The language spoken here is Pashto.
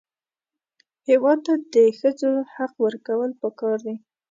هېواد ته د ښځو حق ورکول پکار دي